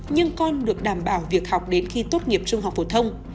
nhưng con được đảm bảo việc học đến khi tốt nghiệp trung học phổ thông